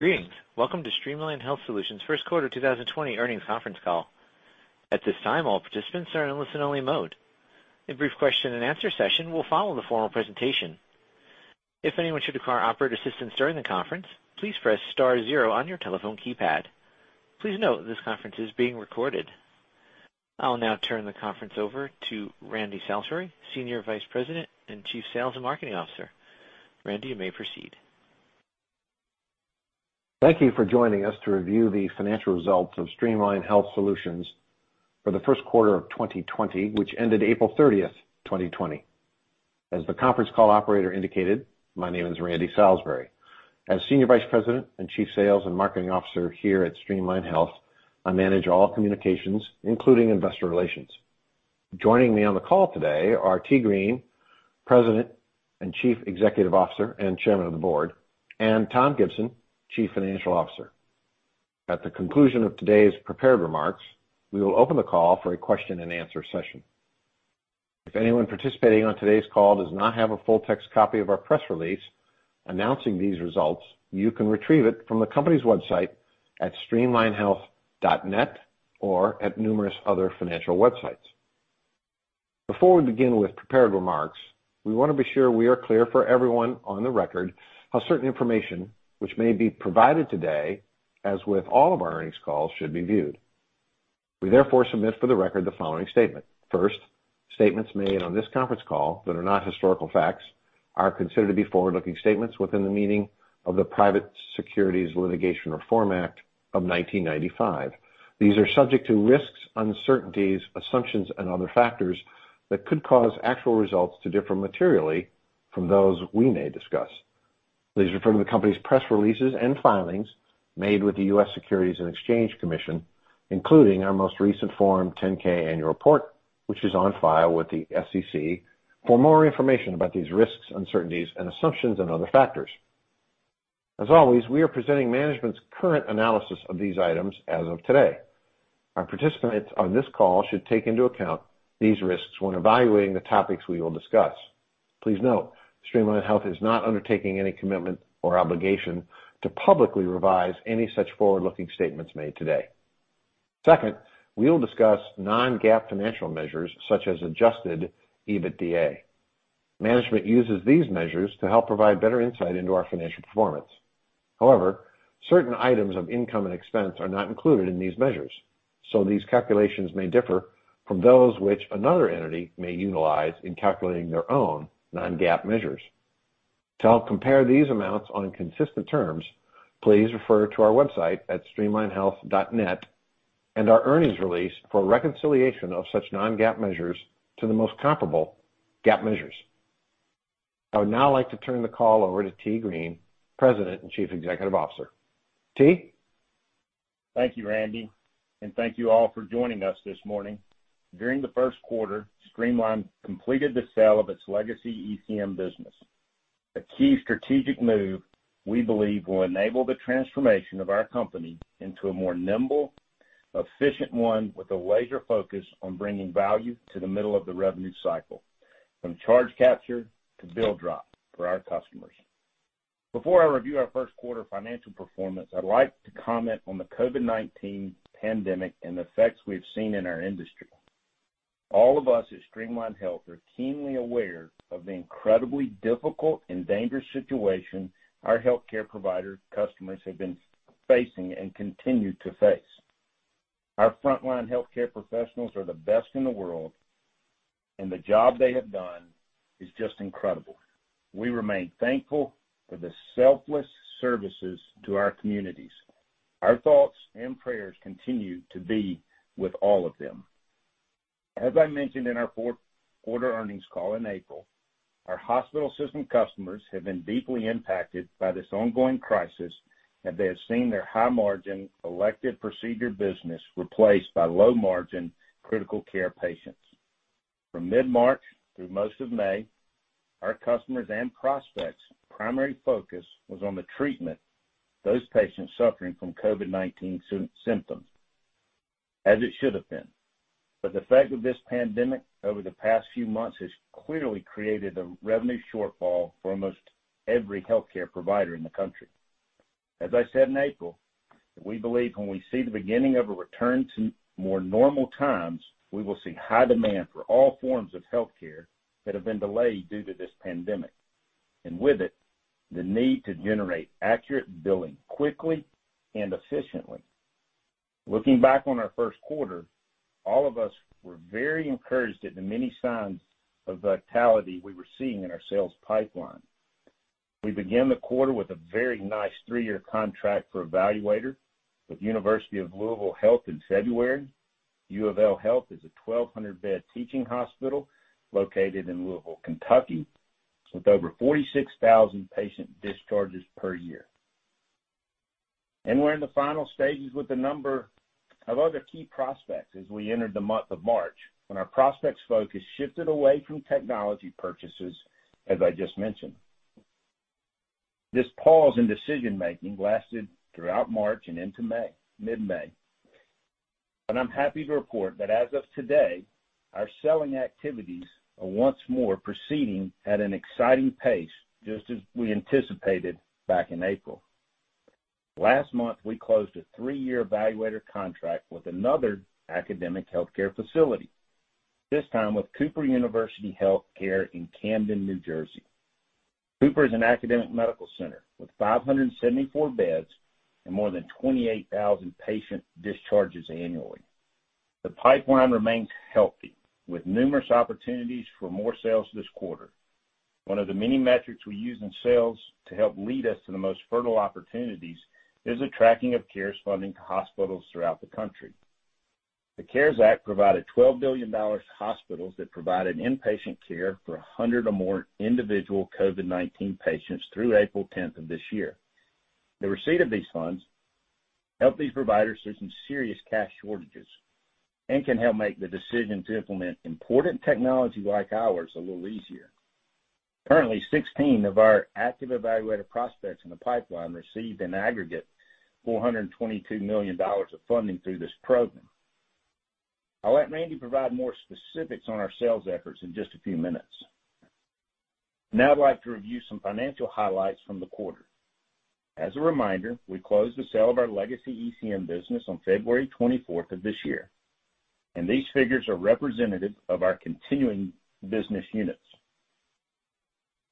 Greetings. Welcome to Streamline Health Solutions' first quarter 2020 earnings conference call. At this time, all participants are in listen only mode. A brief question and answer session will follow the formal presentation. If anyone should require operator assistance during the conference, please press star zero on your telephone keypad. Please note this conference is being recorded. I will now turn the conference over to Randy Salisbury, Senior Vice President and Chief Sales and Marketing Officer. Randy, you may proceed. Thank you for joining us to review the financial results of Streamline Health Solutions for the first quarter of 2020, which ended April 30th, 2020. As the conference call operator indicated, my name is Randy Salisbury. As Senior Vice President and Chief Sales and Marketing Officer here at Streamline Health Solutions, I manage all communications, including investor relations. Joining me on the call today are Tee Green, President and Chief Executive Officer, and Chairman of the Board, and Tom Gibson, Chief Financial Officer. At the conclusion of today's prepared remarks, we will open the call for a question and answer session. If anyone participating on today's call does not have a full text copy of our press release announcing these results, you can retrieve it from the company's website at streamlinehealth.net or at numerous other financial websites. Before we begin with prepared remarks, we want to be sure we are clear for everyone on the record how certain information, which may be provided today, as with all of our earnings calls, should be viewed. We therefore submit for the record the following statement. Statements made on this conference call that are not historical facts are considered to be forward-looking statements within the meaning of the Private Securities Litigation Reform Act of 1995. These are subject to risks, uncertainties, assumptions, and other factors that could cause actual results to differ materially from those we may discuss. Please refer to the company's press releases and filings made with the US Securities and Exchange Commission, including our most recent Form 10-K annual report, which is on file with the SEC for more information about these risks, uncertainties, and assumptions and other factors. As always, we are presenting management's current analysis of these items as of today. Our participants on this call should take into account these risks when evaluating the topics we will discuss. Please note, Streamline Health Solutions is not undertaking any commitment or obligation to publicly revise any such forward-looking statements made today. Second, we will discuss non-GAAP financial measures such as adjusted EBITDA. Management uses these measures to help provide better insight into our financial performance. However, certain items of income and expense are not included in these measures, so these calculations may differ from those which another entity may utilize in calculating their own non-GAAP measures. To help compare these amounts on consistent terms, please refer to our website at streamlinehealth.net and our earnings release for a reconciliation of such non-GAAP measures to the most comparable GAAP measures. I would now like to turn the call over to Tee Green, President and Chief Executive Officer. Tee.? Thank you, Randy, and thank you all for joining us this morning. During the first quarter, Streamline Health Solutions completed the sale of its legacy ECM business. A key strategic move we believe will enable the transformation of our company into a more nimble, efficient one with a laser focus on bringing value to the middle of the revenue cycle, from charge capture to bill drop for our customers. Before I review our first quarter financial performance, I'd like to comment on the COVID-19 pandemic and the effects we've seen in our industry. All of us at Streamline Health Solutions are keenly aware of the incredibly difficult and dangerous situation our healthcare provider customers have been facing and continue to face. Our frontline healthcare professionals are the best in the world, and the job they have done is just incredible. We remain thankful for their selfless services to our communities. Our thoughts and prayers continue to be with all of them. As I mentioned in our fourth quarter earnings call in April, our hospital system customers have been deeply impacted by this ongoing crisis, and they have seen their high margin elective procedure business replaced by low margin critical care patients. From mid-March through most of May, our customers' and prospects' primary focus was on the treatment of those patients suffering from COVID-19 symptoms, as it should have been. The effect of this pandemic over the past few months has clearly created a revenue shortfall for almost every healthcare provider in the country. As I said in April, we believe when we see the beginning of a return to more normal times, we will see high demand for all forms of healthcare that have been delayed due to this pandemic, and with it, the need to generate accurate billing quickly and efficiently. Looking back on our first quarter, all of us were very encouraged at the many signs of vitality we were seeing in our sales pipeline. We began the quarter with a very nice three-year contract for eValuator with University of Louisville Health in February. UofL Health is a 1,200-bed teaching hospital located in Louisville, Kentucky, with over 46,000 patient discharges per year. We're in the final stages with a number of other key prospects as we entered the month of March, when our prospects' focus shifted away from technology purchases, as I just mentioned. This pause in decision-making lasted throughout March and into mid-May. I'm happy to report that as of today, our selling activities are once more proceeding at an exciting pace, just as we anticipated back in April. Last month, we closed a three-year eValuator contract with another academic healthcare facility, this time with Cooper University Health Care in Camden, New Jersey. Cooper is an academic medical center with 574 beds and more than 28,000 patient discharges annually. The pipeline remains healthy, with numerous opportunities for more sales this quarter. One of the many metrics we use in sales to help lead us to the most fertile opportunities is the tracking of CARES funding to hospitals throughout the country. The CARES Act provided $12 billion to hospitals that provided inpatient care for 100 or more individual COVID-19 patients through April 10th of this year. The receipt of these funds help these providers through some serious cash shortages and can help make the decision to implement important technology like ours a little easier. Currently, 16 of our active eValuator prospects in the pipeline received an aggregate $422 million of funding through this program. I'll let Randy provide more specifics on our sales efforts in just a few minutes. I'd like to review some financial highlights from the quarter. As a reminder, we closed the sale of our legacy ECM business on February 24th of this year. These figures are representative of our continuing business units.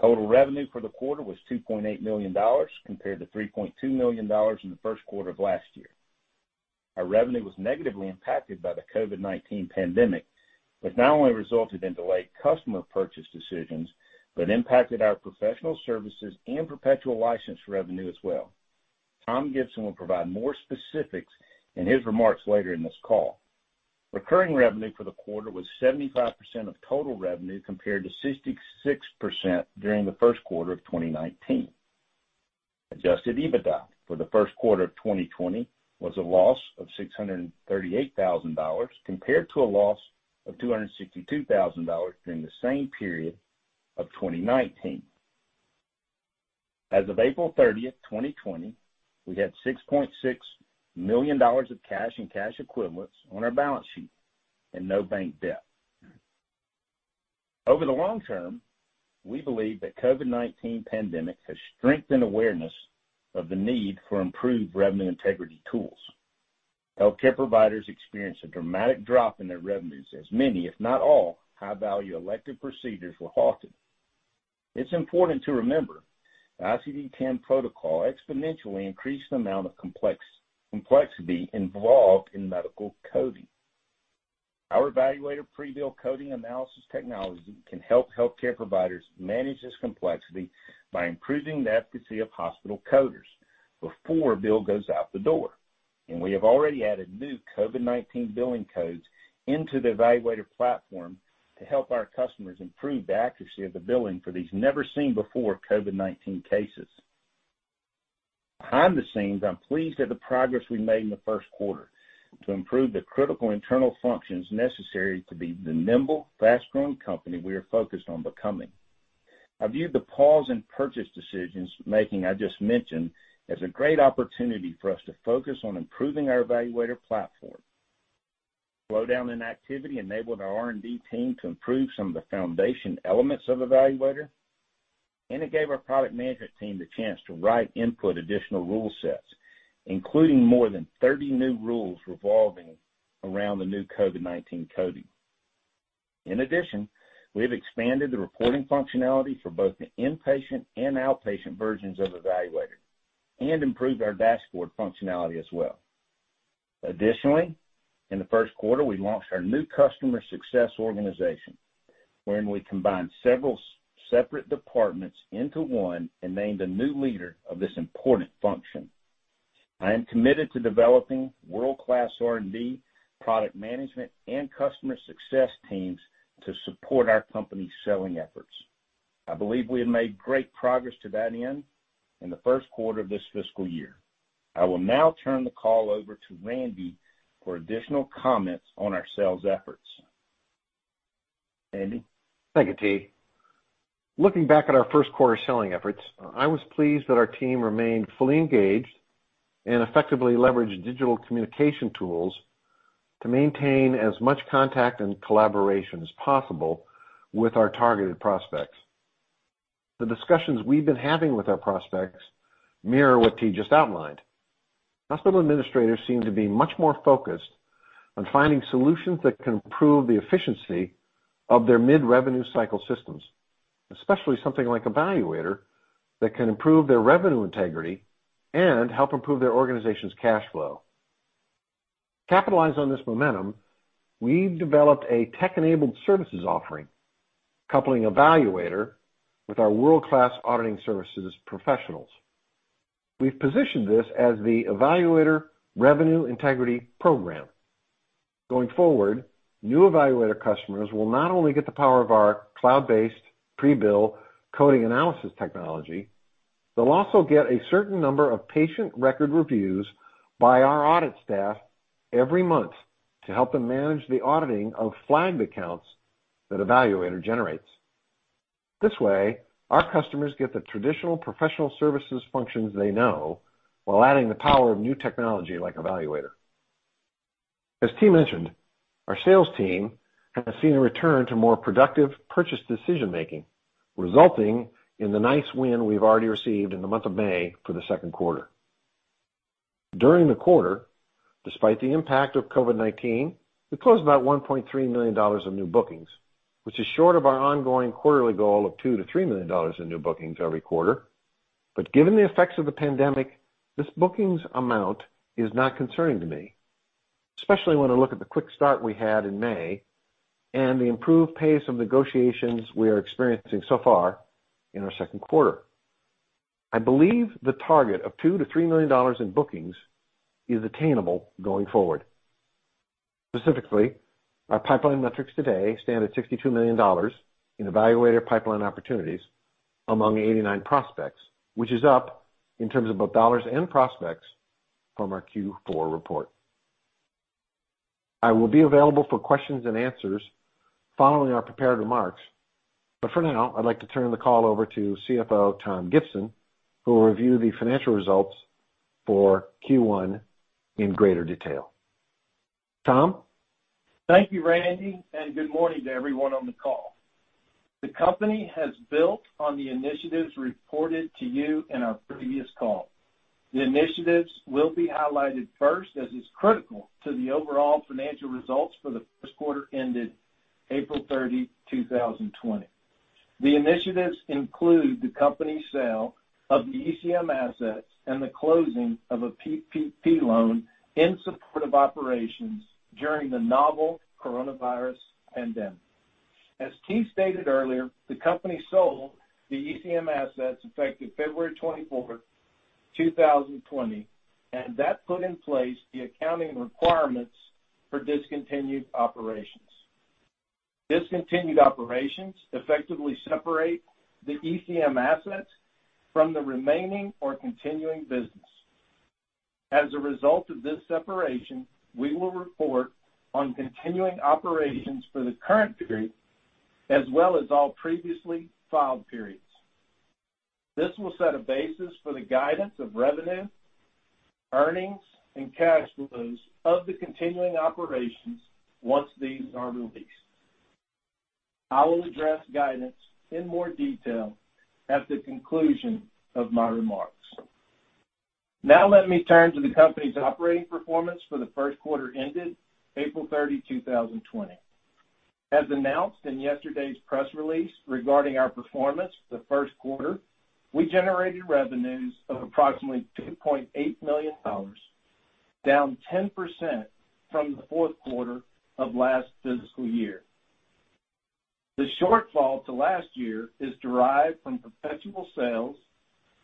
Total revenue for the quarter was $2.8 million compared to $3.2 million in the first quarter of last year. Our revenue was negatively impacted by the COVID-19 pandemic, which not only resulted in delayed customer purchase decisions, but impacted our professional services and perpetual license revenue as well. Tom Gibson will provide more specifics in his remarks later in this call. Recurring revenue for the quarter was 75% of total revenue, compared to 66% during the first quarter of 2019. Adjusted EBITDA for the first quarter of 2020 was a loss of $638,000, compared to a loss of $262,000 during the same period of 2019. As of April 30th, 2020, we had $6.6 million of cash and cash equivalents on our balance sheet and no bank debt. Over the long term, we believe that COVID-19 pandemic has strengthened awareness of the need for improved revenue integrity tools. Healthcare providers experienced a dramatic drop in their revenues as many, if not all, high-value elective procedures were halted. It's important to remember the ICD-10 protocol exponentially increased the amount of complexity involved in medical coding. Our eValuator pre-bill coding analysis technology can help healthcare providers manage this complexity by improving the efficacy of hospital coders before a bill goes out the door, and we have already added new COVID-19 billing codes into the eValuator platform to help our customers improve the accuracy of the billing for these never-seen-before COVID-19 cases. Behind the scenes, I'm pleased at the progress we've made in the first quarter to improve the critical internal functions necessary to be the nimble, fast-growing company we are focused on becoming. I view the pause in purchase decisions making I just mentioned, as a great opportunity for us to focus on improving our eValuator platform. Slowdown in activity enabled our R&D team to improve some of the foundation elements of eValuator, and it gave our product management team the chance to write input additional rule sets, including more than 30 new rules revolving around the new COVID-19 coding. In addition, we have expanded the reporting functionality for both the inpatient and outpatient versions of eValuator and improved our dashboard functionality as well. Additionally, in the first quarter, we launched our new customer success organization, wherein we combined several separate departments into one and named a new leader of this important function. I am committed to developing world-class R&D, product management, and customer success teams to support our company's selling efforts. I believe we have made great progress to that end in the first quarter of this fiscal year. I will now turn the call over to Randy for additional comments on our sales efforts. Randy? Thank you, Tee. Looking back at our first quarter selling efforts, I was pleased that our team remained fully engaged and effectively leveraged digital communication tools to maintain as much contact and collaboration as possible with our targeted prospects. The discussions we've been having with our prospects mirror what Tee just outlined. Hospital administrators seem to be much more focused on finding solutions that can improve the efficiency of their mid-revenue cycle systems, especially something like eValuator, that can improve their revenue integrity and help improve their organization's cash flow. To capitalize on this momentum, we've developed a tech-enabled services offering, coupling eValuator with our world-class auditing services professionals. We've positioned this as the eValuator Revenue Integrity Program. Going forward, new eValuator customers will not only get the power of our cloud-based pre-bill coding analysis technology, they'll also get a certain number of patient record reviews by our audit staff every month to help them manage the auditing of flagged accounts that eValuator generates. This way, our customers get the traditional professional services functions they know while adding the power of new technology like eValuator. As Tee mentioned, our sales team has seen a return to more productive purchase decision-making, resulting in the nice win we've already received in the month of May for the second quarter. During the quarter, despite the impact of COVID-19, we closed about $1.3 million of new bookings, which is short of our ongoing quarterly goal of $2 million-$3 million in new bookings every quarter. Given the effects of the pandemic, this bookings amount is not concerning to me, especially when I look at the quick start we had in May and the improved pace of negotiations we are experiencing so far in our second quarter. I believe the target of $2 million-$3 million in bookings is attainable going forward. Specifically, our pipeline metrics today stand at $62 million in eValuator pipeline opportunities among 89 prospects, which is up in terms of both dollars and prospects from our Q4 report. I will be available for questions and answers following our prepared remarks, but for now, I'd like to turn the call over to CFO Tom Gibson, who will review the financial results for Q1 in greater detail. Tom? Thank you, Randy, Good morning to everyone on the call. The company has built on the initiatives reported to you in our previous call. The initiatives will be highlighted first, as is critical to the overall financial results for the first quarter ended April 30, 2020. The initiatives include the company sale of the ECM assets and the closing of a PPP loan in support of operations during the novel coronavirus pandemic. As Tee stated earlier, the company sold the ECM assets effective February 24, 2020, That put in place the accounting requirements for discontinued operations. Discontinued operations effectively separate the ECM assets from the remaining or continuing business. As a result of this separation, we will report on continuing operations for the current period as well as all previously filed periods. This will set a basis for the guidance of revenue, earnings, and cash flows of the continuing operations once these are released. I will address guidance in more detail at the conclusion of my remarks. Let me turn to the company's operating performance for the first quarter ended April 30, 2020. As announced in yesterday's press release regarding our performance for the first quarter, we generated revenues of approximately $2.8 million, down 10% from the fourth quarter of last fiscal year. The shortfall to last year is derived from perpetual sales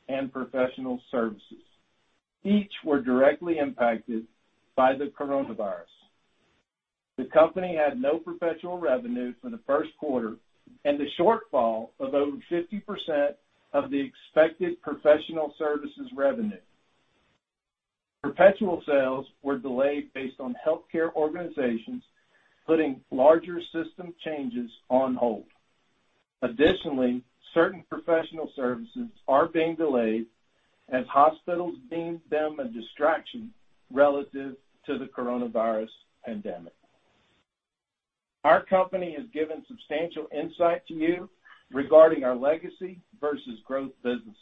and professional services. Each were directly impacted by the COVID-19. The company had no perpetual revenue for the first quarter and a shortfall of over 50% of the expected professional services revenue. Perpetual sales were delayed based on healthcare organizations putting larger system changes on hold. Additionally, certain professional services are being delayed as hospitals deem them a distraction relative to the coronavirus pandemic. Our company has given substantial insight to you regarding our legacy versus growth businesses.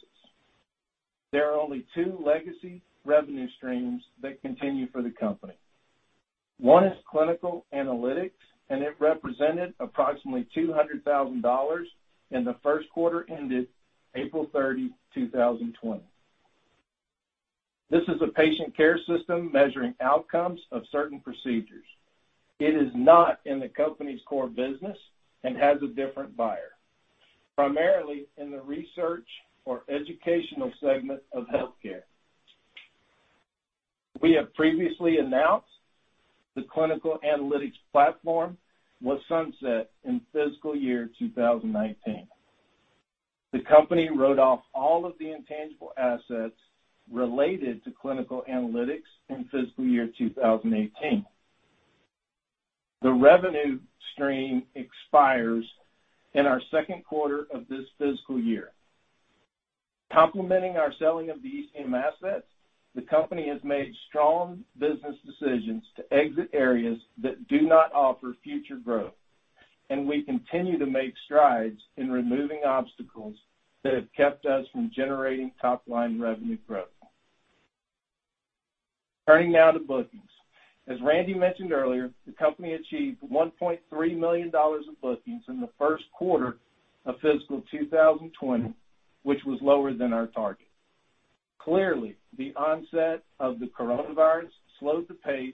There are only two legacy revenue streams that continue for the company. One is clinical analytics, and it represented approximately $200,000 in the first quarter ended April 30, 2020. This is a patient care system measuring outcomes of certain procedures. It is not in the company's core business and has a different buyer, primarily in the research or educational segment of healthcare. We have previously announced the clinical analytics platform was sunset in fiscal year 2019. The company wrote off all of the intangible assets related to clinical analytics in fiscal year 2018. The revenue stream expires in our second quarter of this fiscal year. Complementing our selling of the ECM assets, the company has made strong business decisions to exit areas that do not offer future growth. We continue to make strides in removing obstacles that have kept us from generating top-line revenue growth. Turning now to bookings. As Randy mentioned earlier, the company achieved $1.3 million in bookings in the first quarter of fiscal 2020, which was lower than our target. Clearly, the onset of the coronavirus slowed the pace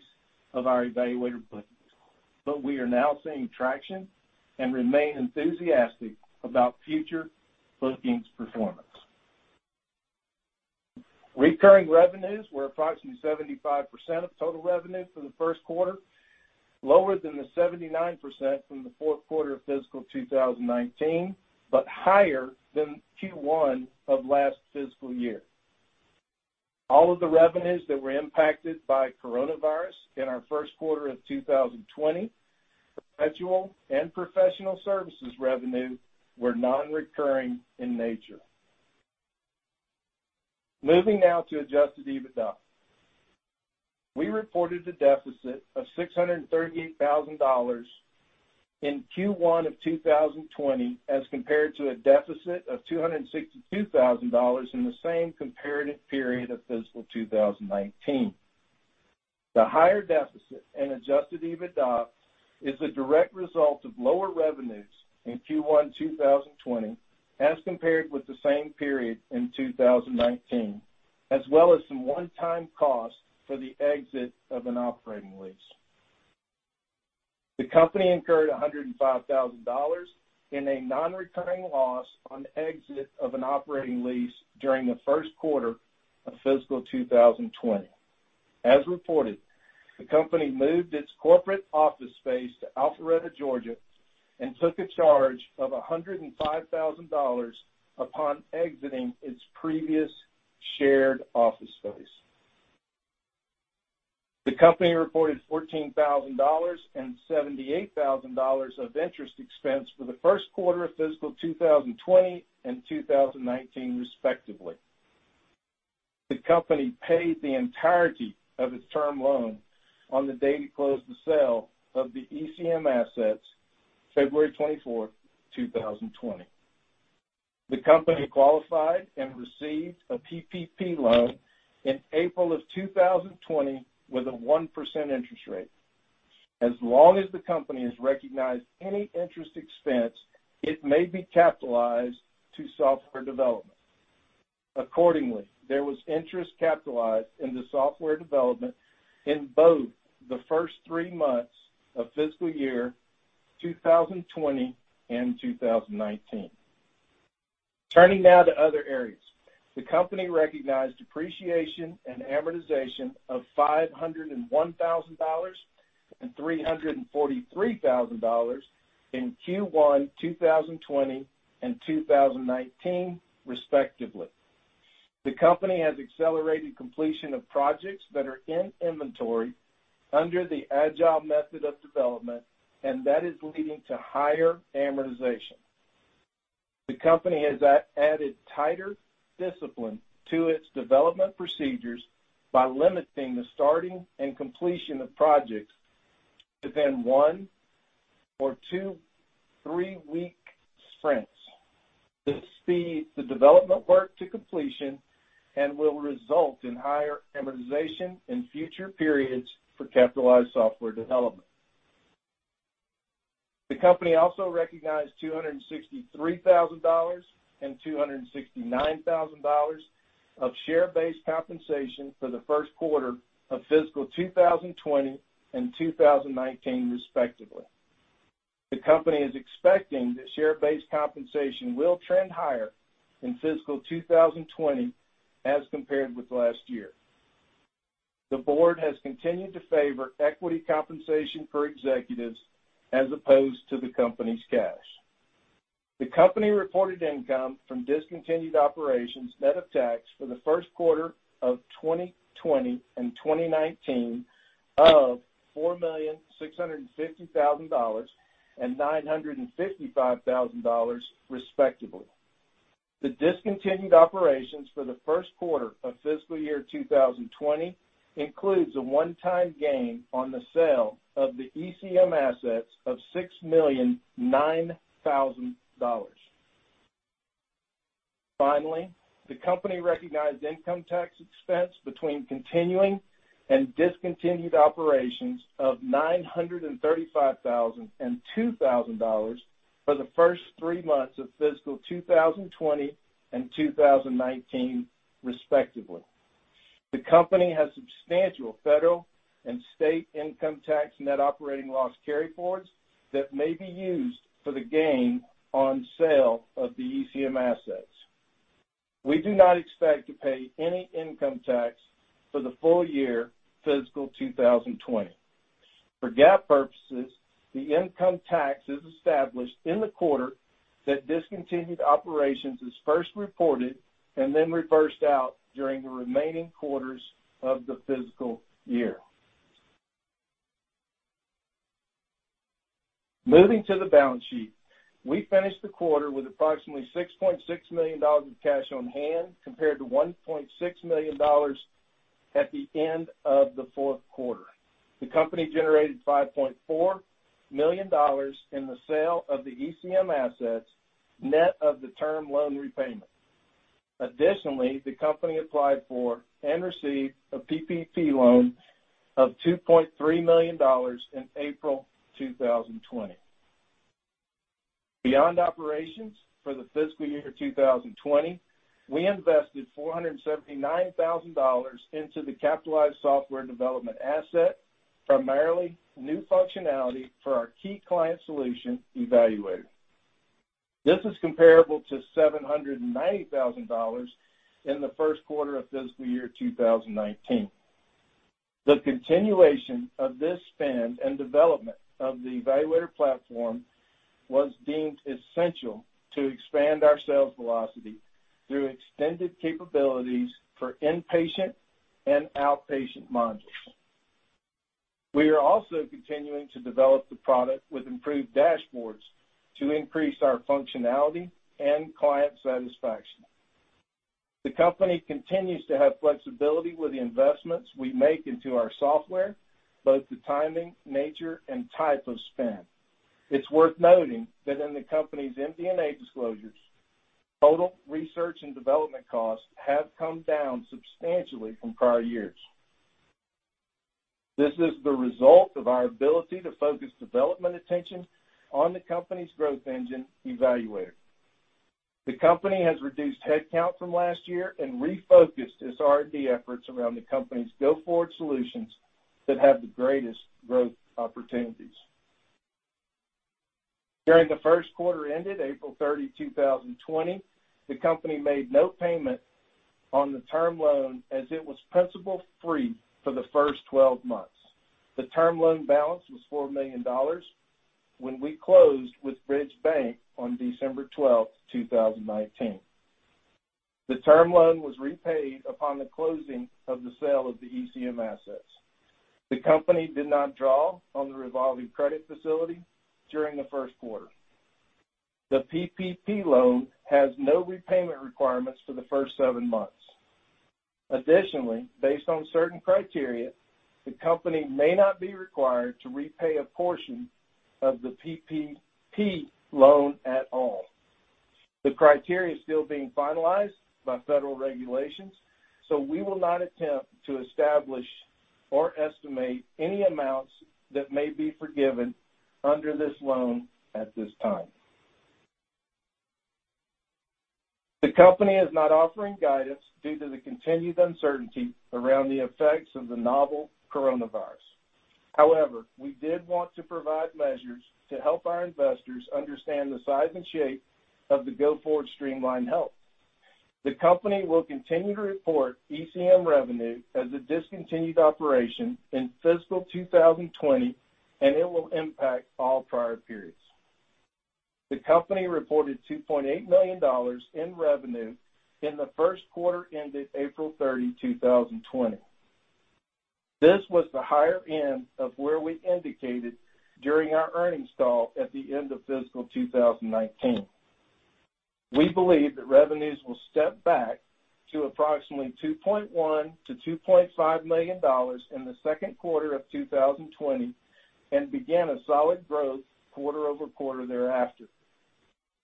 of our eValuator bookings. We are now seeing traction and remain enthusiastic about future bookings performance. Recurring revenues were approximately 75% of total revenue for the first quarter, lower than the 79% from the fourth quarter of fiscal 2019. Higher than Q1 of last fiscal year. All of the revenues that were impacted by coronavirus in our first quarter of 2020, perpetual and professional services revenue were non-recurring in nature. Moving now to adjusted EBITDA. We reported a deficit of $638,000 in Q1 of 2020 as compared to a deficit of $262,000 in the same comparative period of fiscal 2019. The higher deficit in adjusted EBITDA is a direct result of lower revenues in Q1 2020 as compared with the same period in 2019, as well as some one-time costs for the exit of an operating lease. The company incurred $105,000 in a non-recurring loss on exit of an operating lease during the first quarter of fiscal 2020. As reported, the company moved its corporate office space to Alpharetta, Georgia, and took a charge of $105,000 upon exiting its previous shared office space. The company reported $14,000 and $78,000 of interest expense for the first quarter of fiscal 2020 and 2019, respectively. The company paid the entirety of its term loan on the day it closed the sale of the ECM assets February 24, 2020. The company qualified and received a PPP loan in April of 2020 with a 1% interest rate. As long as the company has recognized any interest expense, it may be capitalized to software development. Accordingly, there was interest capitalized in the software development in both the first three months of fiscal year 2020 and 2019. Turning now to other areas. The company recognized depreciation and amortization of $501,000 and $343,000 in Q1 2020 and 2019, respectively. The company has accelerated completion of projects that are in inventory under the agile method of development, and that is leading to higher amortization. The company has added tighter discipline to its development procedures by limiting the starting and completion of projects to then one or two three-week sprints. This speeds the development work to completion and will result in higher amortization in future periods for capitalized software development. The company also recognized $263,000 and $269,000 of share-based compensation for the first quarter of fiscal 2020 and 2019, respectively. The company is expecting that share-based compensation will trend higher in fiscal 2020 as compared with last year. The board has continued to favor equity compensation for executives as opposed to the company's cash. The company reported income from discontinued operations net of tax for the first quarter of 2020 and 2019 of $4,650,000 and $955,000, respectively. The discontinued operations for the first quarter of fiscal year 2020 includes a one-time gain on the sale of the ECM assets of $6,009,000. Finally, the company recognized income tax expense between continuing and discontinued operations of $935,000 and $2,000 for the first three months of fiscal 2020 and 2019, respectively. The company has substantial federal and state income tax net operating loss carry-forwards that may be used for the gain on sale of the ECM assets. We do not expect to pay any income tax for the full year fiscal 2020. For GAAP purposes, the income tax is established in the quarter that discontinued operations is first reported and then reversed out during the remaining quarters of the fiscal year. Moving to the balance sheet. We finished the quarter with approximately $6.6 million of cash on hand compared to $1.6 million at the end of the fourth quarter. The company generated $5.4 million in the sale of the ECM assets, net of the term loan repayment. Additionally, the company applied for and received a PPP loan of $2.3 million in April 2020. Beyond operations for the fiscal year 2020, we invested $479,000 into the capitalized software development asset, primarily new functionality for our key client solution eValuator. This is comparable to $790,000 in the first quarter of fiscal year 2019. The continuation of this spend and development of the eValuator platform was deemed essential to expand our sales velocity through extended capabilities for inpatient and outpatient modules. We are also continuing to develop the product with improved dashboards to increase our functionality and client satisfaction. The company continues to have flexibility with the investments we make into our software, both the timing, nature, and type of spend. It's worth noting that in the company's MD&A disclosures, total research and development costs have come down substantially from prior years. This is the result of our ability to focus development attention on the company's growth engine, eValuator. The company has reduced headcount from last year and refocused its R&D efforts around the company's go-forward solutions that have the greatest growth opportunities. During the first quarter ended April 30, 2020, the company made no payment on the term loan, as it was principal-free for the first 12 months. The term loan balance was $4 million when we closed with Bridge Bank on December 12, 2019. The term loan was repaid upon the closing of the sale of the ECM assets. The company did not draw on the revolving credit facility during the first quarter. The PPP loan has no repayment requirements for the first seven months. Additionally, based on certain criteria, the company may not be required to repay a portion of the PPP loan at all. The criteria is still being finalized by federal regulations. We will not attempt to establish or estimate any amounts that may be forgiven under this loan at this time. The company is not offering guidance due to the continued uncertainty around the effects of COVID-19. We did want to provide measures to help our investors understand the size and shape of the go-forward Streamline Health Solutions. The company will continue to report ECM revenue as a discontinued operation in fiscal 2020, and it will impact all prior periods. The company reported $2.8 million in revenue in the first quarter ended April 30, 2020. This was the higher end of where we indicated during our earnings call at the end of fiscal 2019. We believe that revenues will step back to approximately $2.1 million-$2.5 million in the second quarter of 2020 and begin a solid growth quarter-over-quarter thereafter,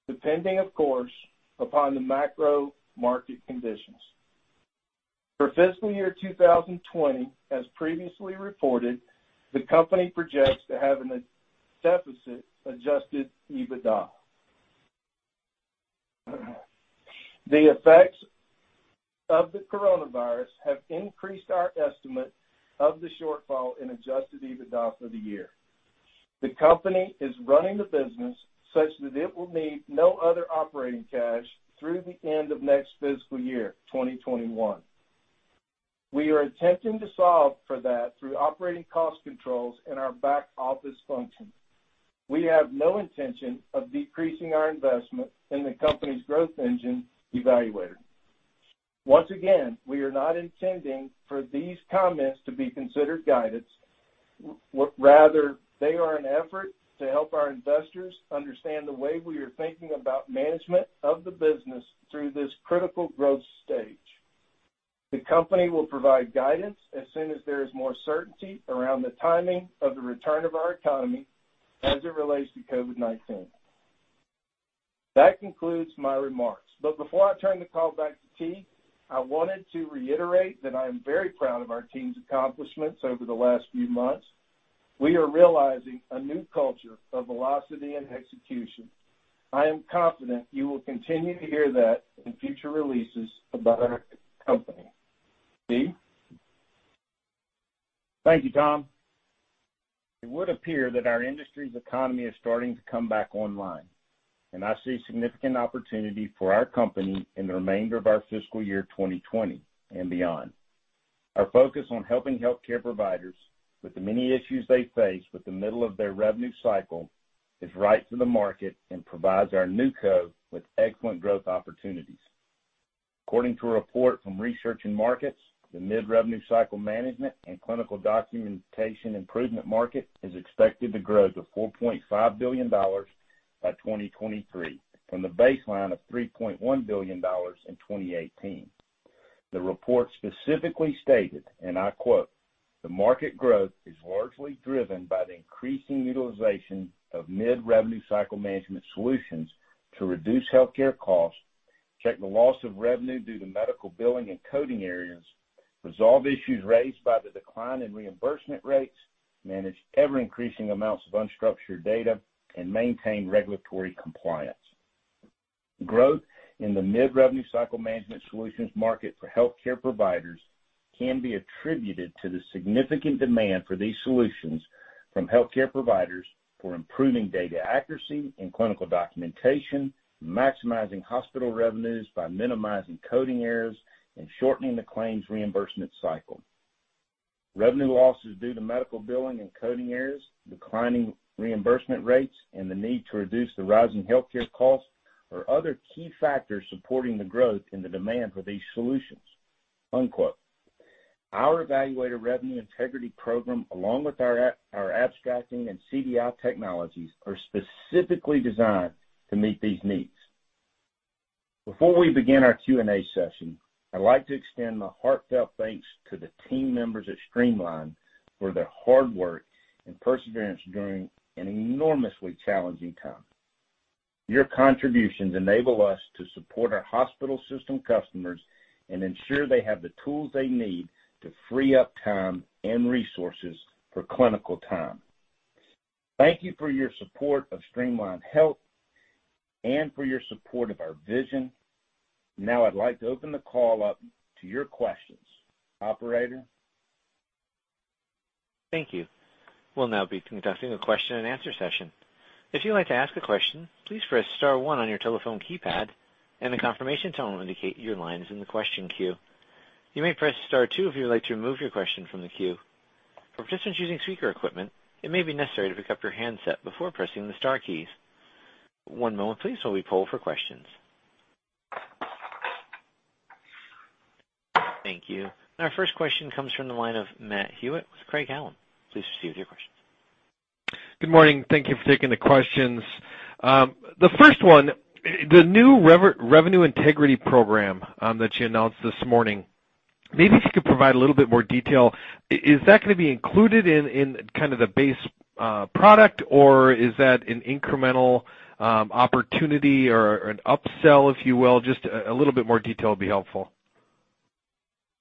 depending, of course, upon the macro market conditions. For fiscal year 2020, as previously reported, the company projects to have a deficit adjusted EBITDA. The effects of the coronavirus have increased our estimate of the shortfall in adjusted EBITDA for the year. The company is running the business such that it will need no other operating cash through the end of next fiscal year 2021. We are attempting to solve for that through operating cost controls in our back office function. We have no intention of decreasing our investment in the company's growth engine, eValuator. Once again, we are not intending for these comments to be considered guidance. Rather, they are an effort to help our investors understand the way we are thinking about management of the business through this critical growth stage. The company will provide guidance as soon as there is more certainty around the timing of the return of our economy as it relates to COVID-19. That concludes my remarks. Before I turn the call back to Tee, I wanted to reiterate that I am very proud of our team's accomplishments over the last few months. We are realizing a new culture of velocity and execution. I am confident you will continue to hear that in future releases about our company. Tee? Thank you, Tom. It would appear that our industry's economy is starting to come back online, and I see significant opportunity for our company in the remainder of our fiscal year 2020 and beyond. Our focus on helping healthcare providers with the many issues they face with the middle of their revenue cycle is right for the market and provides our newco with excellent growth opportunities. According to a report from Research and Markets, the mid-revenue cycle management and clinical documentation improvement market is expected to grow to $4.5 billion by 2023 from the baseline of $3.1 billion in 2018. The report specifically stated, and I quote, "The market growth is largely driven by the increasing utilization of mid-revenue cycle management solutions to reduce healthcare costs, check the loss of revenue due to medical billing and coding errors, resolve issues raised by the decline in reimbursement rates, manage ever-increasing amounts of unstructured data, and maintain regulatory compliance." Growth in the mid-revenue cycle management solutions market for healthcare providers can be attributed to the significant demand for these solutions from healthcare providers for improving data accuracy in clinical documentation, maximizing hospital revenues by minimizing coding errors, and shortening the claims reimbursement cycle. Revenue losses due to medical billing and coding errors, declining reimbursement rates, and the need to reduce the rising healthcare costs are other key factors supporting the growth in the demand for these solutions. Unquote. Our eValuator Revenue Integrity Program, along with our abstracting and CDI technologies, are specifically designed to meet these needs. Before we begin our Q&A session, I'd like to extend my heartfelt thanks to the team members at Streamline Health Solutions for their hard work and perseverance during an enormously challenging time. Your contributions enable us to support our hospital system customers and ensure they have the tools they need to free up time and resources for clinical time. Thank you for your support of Streamline Health Solutions and for your support of our vision. Now I'd like to open the call up to your questions. Operator? Thank you. We'll now be conducting a question and answer session. If you'd like to ask a question, please press star one on your telephone keypad, and a confirmation tone will indicate your line is in the question queue. You may press star two if you would like to remove your question from the queue. For participants using speaker equipment, it may be necessary to pick up your handset before pressing the star keys. One moment please, while we poll for questions. Thank you. Our first question comes from the line of Matt Hewitt with Craig-Hallum. Please proceed with your questions. Good morning. Thank you for taking the questions. The first one, the new Revenue Integrity Program that you announced this morning, maybe if you could provide a little bit more detail. Is that going to be included in kind of the base product, or is that an incremental opportunity or an upsell, if you will? Just a little bit more detail would be helpful.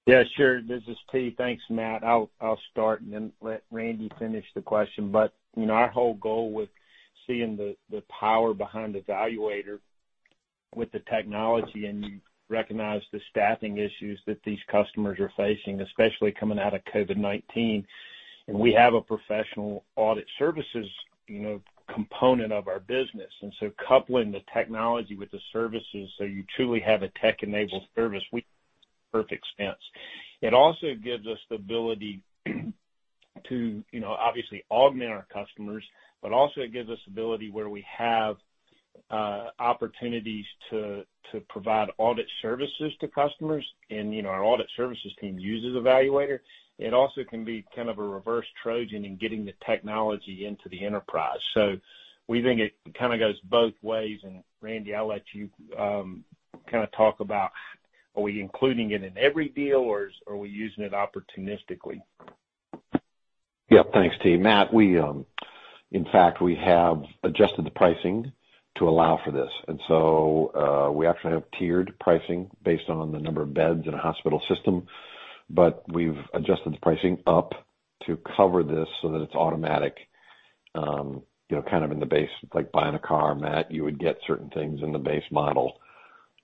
Yeah, sure. This is Tee. Thanks, Matt. I'll start and then let Randy finish the question, but our whole goal with seeing the power behind eValuator with the technology, and you recognize the staffing issues that these customers are facing, especially coming out of COVID-19, and we have a professional audit services component of our business. So coupling the technology with the services, so you truly have a tech-enabled service, we Perfect sense. It also gives us the ability to obviously augment our customers, but also it gives us ability where we have opportunities to provide audit services to customers, and our audit services team uses eValuator. It also can be kind of a reverse Trojan in getting the technology into the enterprise. We think it kind of goes both ways, and Randy, I'll let you kind of talk about, are we including it in every deal, or are we using it opportunistically? Yeah. Thanks, Tee. Matt, in fact, we have adjusted the pricing to allow for this. We actually have tiered pricing based on the number of beds in a hospital system, but we've adjusted the pricing up to cover this so that it's automatic, kind of in the base, like buying a car, Matt, you would get certain things in the base model.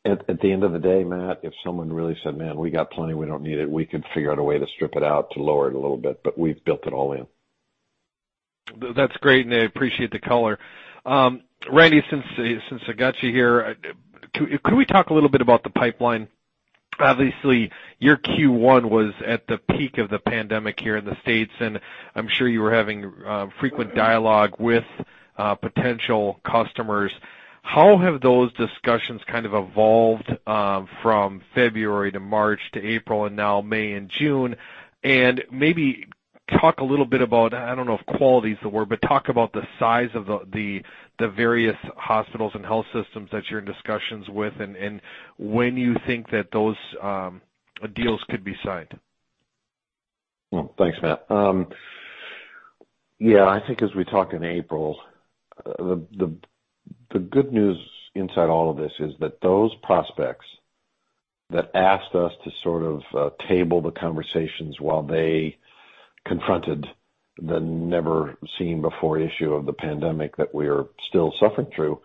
At the end of the day, Matt, if someone really said, "Man, we got plenty, we don't need it," we could figure out a way to strip it out to lower it a little bit, but we've built it all in. That's great, and I appreciate the color. Randy, since I got you here, could we talk a little bit about the pipeline? Obviously, your Q1 was at the peak of the pandemic here in the U.S., and I'm sure you were having frequent dialogue with potential customers. How have those discussions kind of evolved from February to March to April and now May and June, and maybe talk a little bit about, I don't know if quality is the word, but talk about the size of the various hospitals and health systems that you're in discussions with, and when you think that those deals could be signed. Well, thanks, Matt. Yeah, I think as we talked in April, the good news inside all of this is that those prospects that asked us to sort of table the conversations while they confronted the never-seen-before issue of the pandemic that we are still suffering through,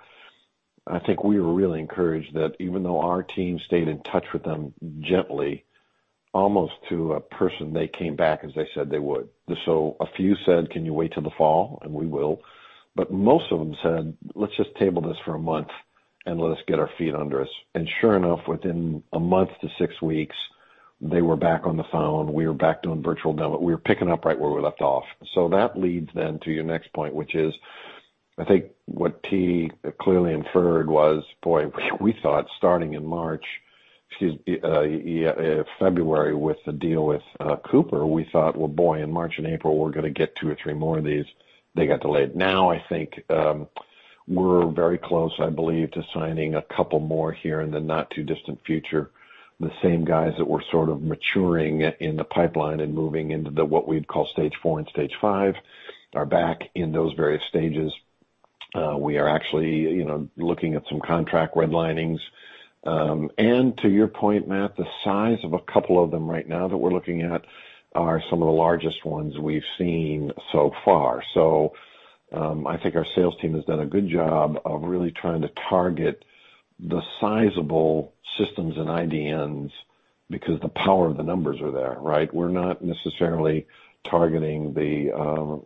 I think we were really encouraged that even though our team stayed in touch with them gently, almost to a person, they came back as they said they would. A few said, "Can you wait till the fall?" We will. Most of them said, "Let's just table this for a month and let us get our feet under us." Sure enough, within a month to six weeks, they were back on the phone. We were back doing virtual demo. We were picking up right where we left off. That leads to your next point, which is, I think what Tee clearly inferred was, boy, we thought starting in March, excuse me, February with the deal with Cooper, we thought, well, boy, in March and April, we're going to get two or three more of these. They got delayed. I think we're very close, I believe, to signing a couple more here in the not too distant future. The same guys that were sort of maturing in the pipeline and moving into the what we'd call Stage 4 and Stage 5 are back in those various stages. We are actually looking at some contract redlinings. To your point, Matt, the size of a couple of them right now that we're looking at are some of the largest ones we've seen so far. I think our sales team has done a good job of really trying to target the sizable systems and IDNs because the power of the numbers are there, right? We're not necessarily targeting the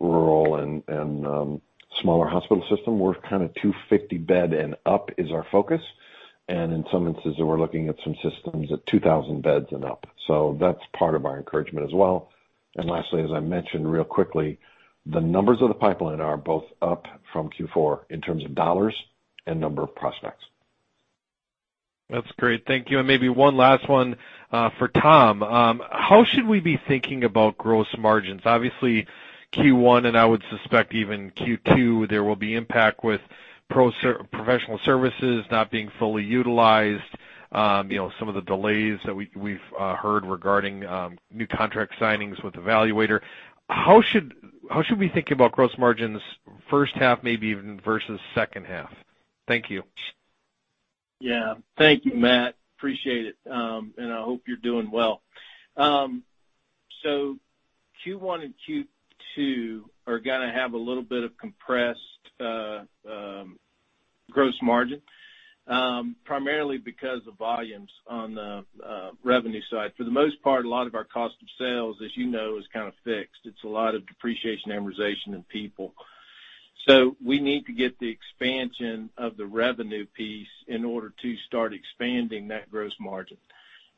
rural and smaller hospital system. We're kind of 250 bed and up is our focus. In some instances, we're looking at some systems at 2,000 beds and up. That's part of our encouragement as well. Lastly, as I mentioned real quickly, the numbers of the pipeline are both up from Q4 in terms of dollars and number of prospects. That's great. Thank you. Maybe one last one for Tom. How should we be thinking about gross margins? Obviously, Q1, and I would suspect even Q2, there will be impact with professional services not being fully utilized. Some of the delays that we've heard regarding new contract signings with eValuator. How should we think about gross margins first half, maybe even versus second half? Thank you. Yeah. Thank you, Matt. Appreciate it. I hope you're doing well. Q1 and Q2 are gonna have a little bit of compressed gross margin, primarily because of volumes on the revenue side. For the most part, a lot of our cost of sales, as you know, is kind of fixed. It's a lot of depreciation, amortization, and people. We need to get the expansion of the revenue piece in order to start expanding that gross margin.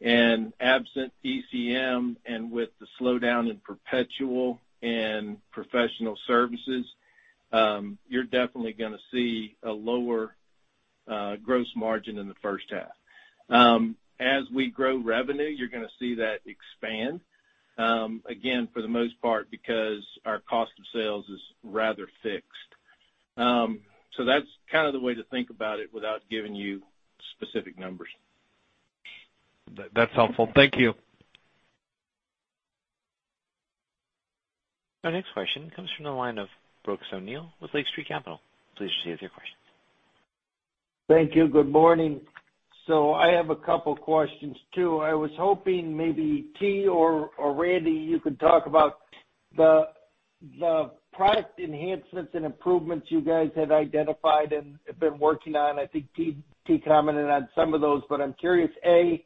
Absent ECM and with the slowdown in perpetual and professional services, you're definitely gonna see a lower gross margin in the first half. As we grow revenue, you're gonna see that expand, again, for the most part because our cost of sales is rather fixed. That's kind of the way to think about it without giving you specific numbers. That's helpful. Thank you. Our next question comes from the line of Brooks O'Neil with Lake Street Capital. Please proceed with your questions. Thank you. Good morning. I have a couple questions too. I was hoping maybe Tee or Randy, you could talk about the product enhancements and improvements you guys have identified and have been working on. I think Tee commented on some of those, but I'm curious, A,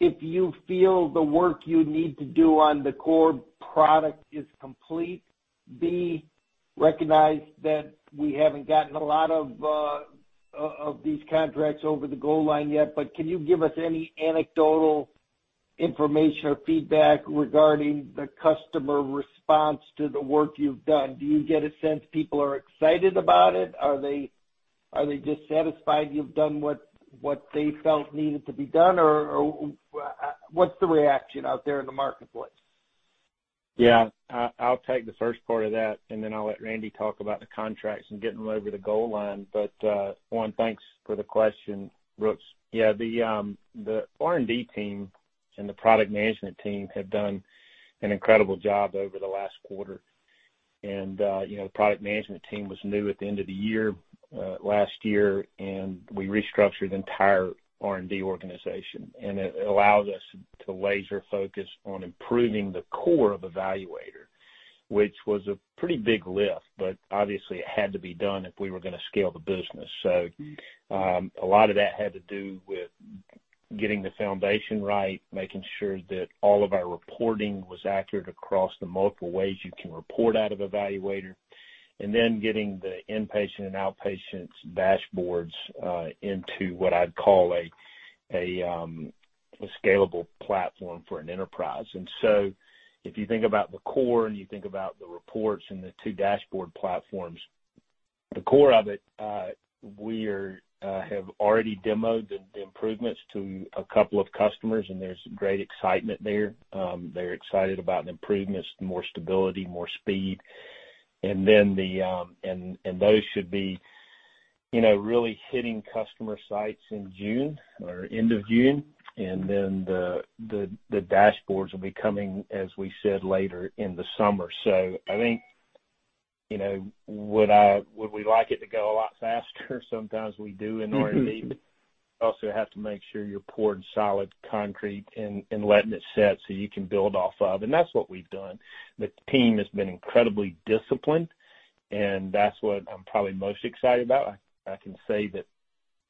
if you feel the work you need to do on the core product is complete. B, Recognize that we haven't gotten a lot of these contracts over the goal line yet, but can you give us any anecdotal information or feedback regarding the customer response to the work you've done? Do you get a sense people are excited about it? Are they just satisfied you've done what they felt needed to be done, or what's the reaction out there in the marketplace? I'll take the first part of that, and then I'll let Randy talk about the contracts and getting them over the goal line. One, thanks for the question, Brooks. The R&D team and the product management team have done an incredible job over the last quarter. The product management team was new at the end of the year, last year, and we restructured the entire R&D organization, and it allows us to laser focus on improving the core of eValuator, which was a pretty big lift, but obviously it had to be done if we were gonna scale the business. A lot of that had to do with getting the foundation right, making sure that all of our reporting was accurate across the multiple ways you can report out of eValuator, and then getting the inpatient and outpatient dashboards into what I'd call a scalable platform for an enterprise. If you think about the core and you think about the reports and the two dashboard platforms, the core of it, we have already demoed the improvements to a couple of customers, and there's great excitement there. They're excited about improvements, more stability, more speed. Those should be really hitting customer sites in June or end of June, and then the dashboards will be coming, as we said, later in the summer. I think would we like it to go a lot faster? Sometimes we do in R&D, also have to make sure you're pouring solid concrete and letting it set so you can build off of. That's what we've done. The team has been incredibly disciplined, that's what I'm probably most excited about. I can say that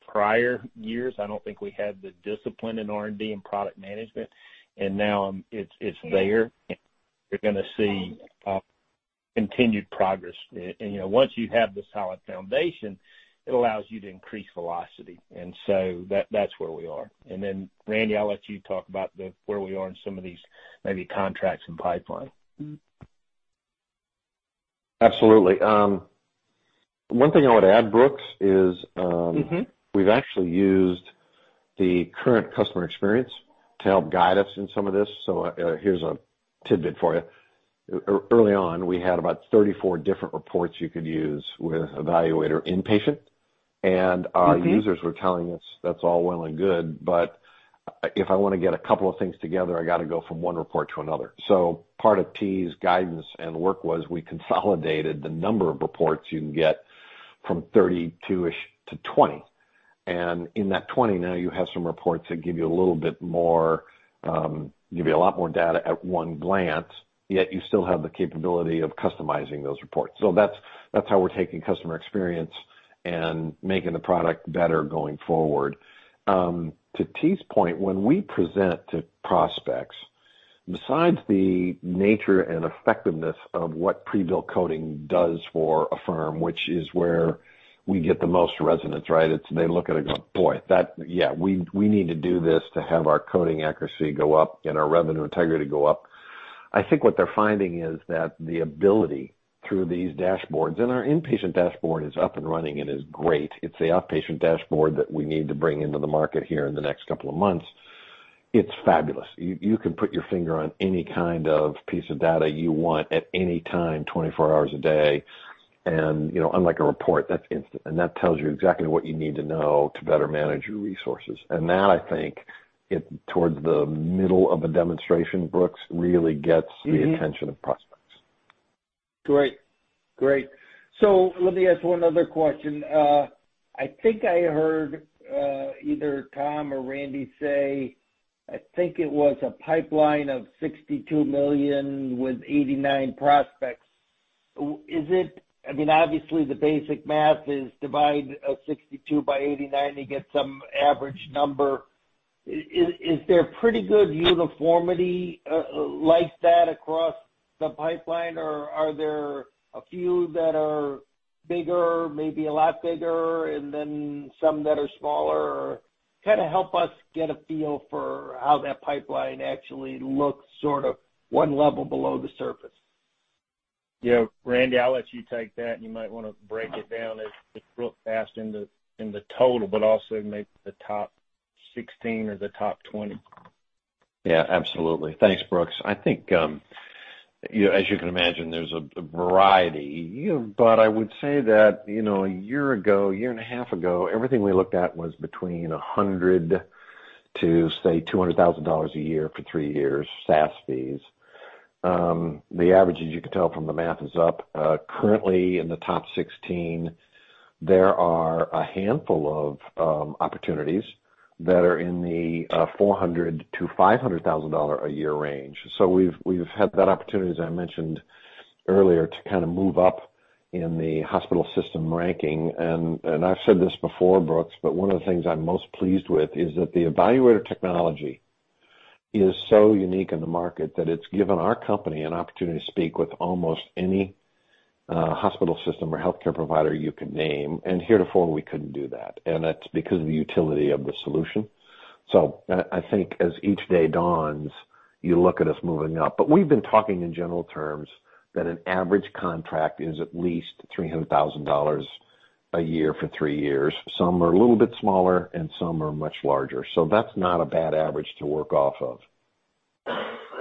prior years, I don't think we had the discipline in R&D and product management, now it's there. You're gonna see continued progress. Once you have the solid foundation, it allows you to increase velocity. That's where we are. Randy, I'll let you talk about where we are in some of these maybe contracts and pipeline. Absolutely. One thing I would add, Brooks, we've actually used the current customer experience to help guide us in some of this. Here's a tidbit for you. Early on, we had about 34 different reports you could use with eValuator inpatient. Our users were telling us that's all well and good, if I want to get a couple of things together, I got to go from one report to another. Part of Tee's guidance and work was we consolidated the number of reports you can get from 32-ish to 20. In that 20, now you have some reports that give you a lot more data at one glance, you still have the capability of customizing those reports. That's how we're taking customer experience and making the product better going forward. To Tee's point, when we present to prospects, besides the nature and effectiveness of what pre-bill coding does for a firm, which is where we get the most resonance, right? They look at it and go, "Boy, we need to do this to have our coding accuracy go up and our revenue integrity go up." I think what they're finding is that the ability through these dashboards, and our inpatient dashboard is up and running and is great. It's the outpatient dashboard that we need to bring into the market here in the next couple of months. It's fabulous. You can put your finger on any kind of piece of data you want at any time, 24 hours a day. Unlike a report, that's instant, and that tells you exactly what you need to know to better manage your resources. That, I think, towards the middle of a demonstration, Brooks, really gets the attention of prospects. Great. Let me ask one other question. I think I heard either Tom or Randy say, I think it was a pipeline of $62 million with 89 prospects. Obviously, the basic math is divide 62 by 89 to get some average number. Is there pretty good uniformity like that across the pipeline, or are there a few that are bigger, maybe a lot bigger, and then some that are smaller? Kind of help us get a feel for how that pipeline actually looks sort of one level below the surface. Randy, I'll let you take that, and you might want to break it down as real fast in the total, but also maybe the top 16 or the top 20. Absolutely. Thanks, Brooks. I think, as you can imagine, there's a variety. I would say that a year ago, year and a half ago, everything we looked at was between $100,000-$200,000 a year for three years, SaaS fees. The average, as you can tell from the math, is up. Currently in the top 16, there are a handful of opportunities that are in the $400,000-$500,000 a year range. We've had that opportunity, as I mentioned earlier, to kind of move up in the hospital system ranking. I've said this before, Brooks, one of the things I'm most pleased with is that the eValuator technology is so unique in the market that it's given our company an opportunity to speak with almost any hospital system or healthcare provider you could name. Heretofore, we couldn't do that, and that's because of the utility of the solution. I think as each day dawns, you look at us moving up. We've been talking in general terms that an average contract is at least $300,000 a year for three years. Some are a little bit smaller and some are much larger. That's not a bad average to work off of.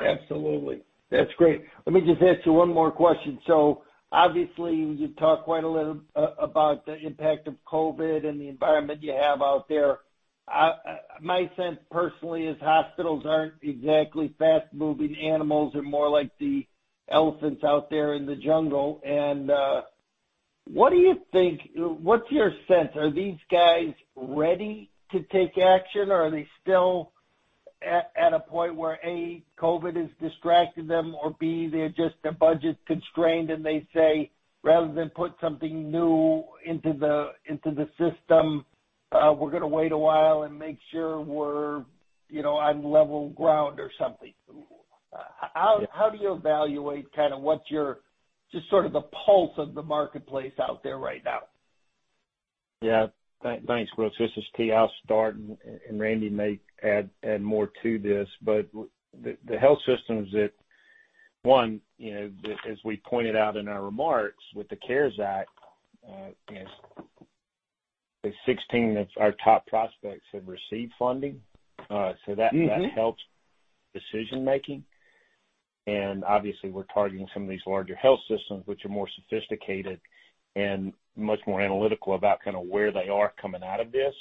Absolutely. That's great. Let me just ask you one more question. Obviously, you've talked quite a little about the impact of COVID and the environment you have out there. My sense personally is hospitals aren't exactly fast-moving animals. They're more like the elephants out there in the jungle. What do you think, what's your sense? Are these guys ready to take action, or are they still at a point where, A, COVID has distracted them, or B, they're just budget-constrained, and they say, rather than put something new into the system, we're going to wait a while and make sure we're on level ground or something? How do you evaluate kind of what's your pulse of the marketplace out there right now? Yeah. Thanks, Brooks. This is Tee I'll start, and Randy may add more to this. The health systems that, one, as we pointed out in our remarks with the CARES Act, 16 of our top prospects have received funding. That helps decision-making. Obviously, we're targeting some of these larger health systems, which are more sophisticated and much more analytical about where they are coming out of this.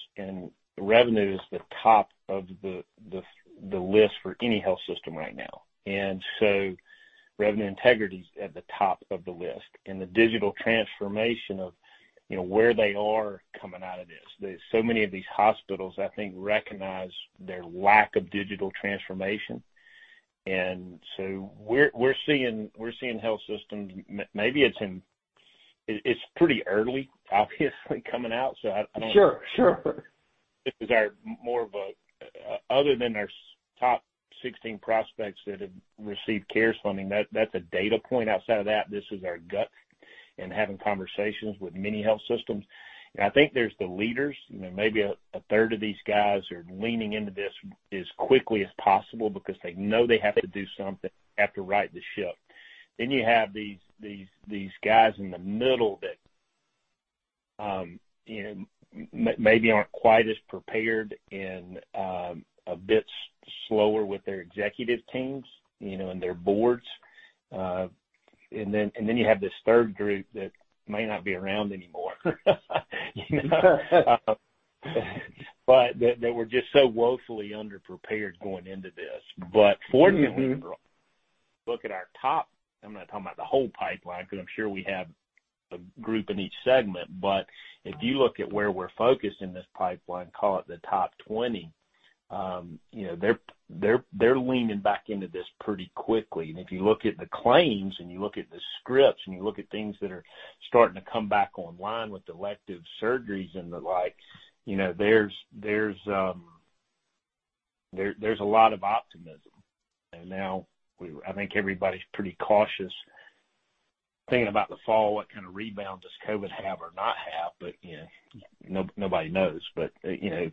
Revenue is the top of the list for any health system right now. Revenue integrity's at the top of the list, and the digital transformation of where they are coming out of this. Many of these hospitals, I think, recognize their lack of digital transformation. We're seeing health systems, maybe it's pretty early, obviously, coming out. Sure. This is more of a other than our top 16 prospects that have received CARES funding, that's a data point. Outside of that, this is our gut in having conversations with many health systems. I think there's the leaders, maybe a third of these guys are leaning into this as quickly as possible because they know they have to do something, have to right the ship. You have these guys in the middle that maybe aren't quite as prepared and a bit slower with their executive teams and their boards. You have this third group that may not be around anymore that were just so woefully underprepared going into this. Fortunately, look at our top, I'm not talking about the whole pipeline because I'm sure we have a group in each segment, but if you look at where we're focused in this pipeline, call it the top 20, they're leaning back into this pretty quickly. If you look at the claims, and you look at the scripts, and you look at things that are starting to come back online with elective surgeries and the like, there's a lot of optimism. Now I think everybody's pretty cautious thinking about the fall, what kind of rebound does COVID have or not have? Nobody knows.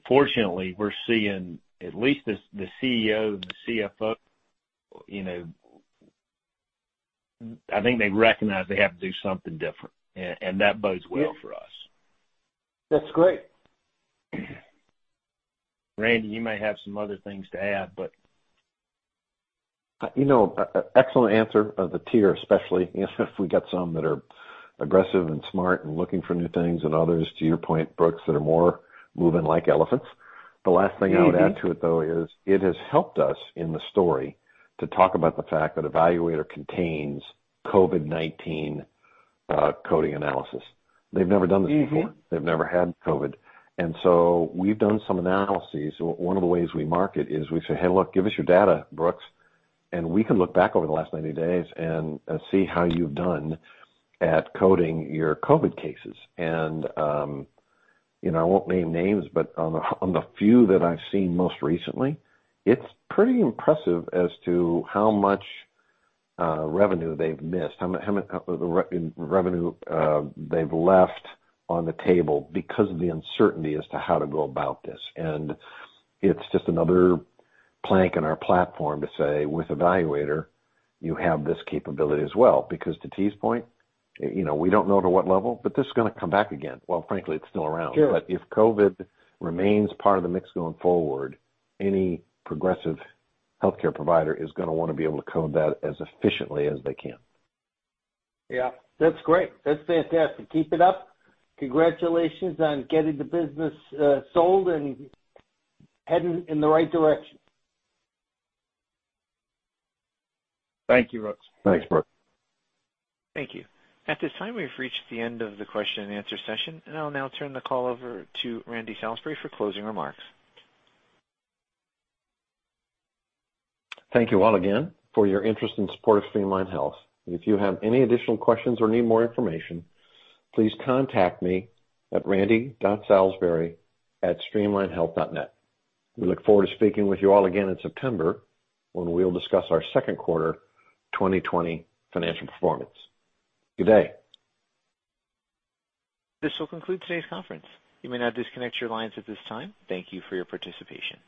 Fortunately, we're seeing at least the CEO, the CFO, I think they recognize they have to do something different. That bodes well for us. That's great. Randy, you may have some other things to add, but Excellent answer of the tier, especially if we got some that are aggressive and smart and looking for new things and others, to your point, Brooks, that are more moving like elephants. The last thing I would add to it, though, is it has helped us in the story to talk about the fact that eValuator contains COVID-19 coding analysis. They've never done this before. They've never had COVID. So we've done some analyses. One of the ways we market is we say, hey, look, give us your data, Brooks, and we can look back over the last 90 days and see how you've done at coding your COVID cases. I won't name names, but on the few that I've seen most recently, it's pretty impressive as to how much revenue they've missed, how much of the revenue they've left on the table because of the uncertainty as to how to go about this. It's just another plank in our platform to say, with eValuator, you have this capability as well. Because to Tee's point, we don't know to what level, but this is going to come back again. Well, frankly, it's still around. Sure. If COVID remains part of the mix going forward, any progressive healthcare provider is going to want to be able to code that as efficiently as they can. Yeah. That's great. That's fantastic. Keep it up. Congratulations on getting the business sold and heading in the right direction. Thank you, Brooks. Thanks, Brooks. Thank you. At this time, we've reached the end of the question and answer session, and I'll now turn the call over to Randy Salisbury for closing remarks. Thank you all again for your interest and support of Streamline Health Solutions. If you have any additional questions or need more information, please contact me at randy.salisbury@streamlinehealth.net. We look forward to speaking with you all again in September when we'll discuss our second quarter 2020 financial performance. Good day. This will conclude today's conference. You may now disconnect your lines at this time. Thank you for your participation.